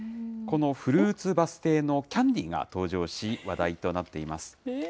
このフルールバス停のキャンディーが登場し、話題となっています。